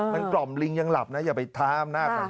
มันกล่อมลิงยังหลับนะอย่าไปท้าอำนาจก่อน